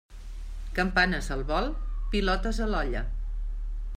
Campanes al vol, pilotes a l'olla.